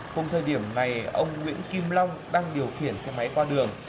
cùng thời điểm này ông nguyễn kim long đang điều khiển xe máy qua đường